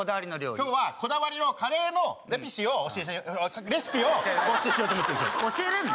今日はこだわりのカレーのレピシをレシピをお教えしようと思ってるんですよ教えれんの？